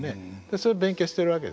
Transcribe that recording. それ勉強してるわけですよ。